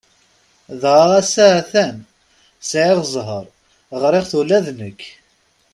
Dɣa ass-a a-t-an, sɛiɣ zzheṛ, ɣriɣ-t ula d nekk.